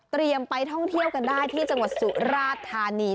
ไปท่องเที่ยวกันได้ที่จังหวัดสุราชธานี